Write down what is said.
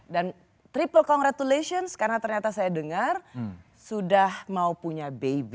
dan triple congratulations karena ternyata saya dengar sudah mau punya baby